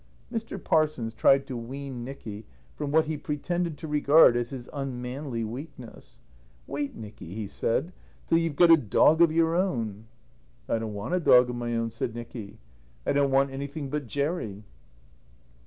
Mr. Parsons tried to wean Nicky from what he pretended to regard as his unmanly weakness. "Wait, Nicky," he said, "till you've got a dog of your own." "I don't want a dog of my own," said Nicky. "I don't want anything but Jerry."